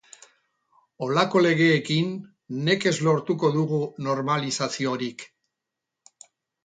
Holako legeekin nekez lortuko dugu normalizaziorik.